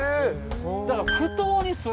だから。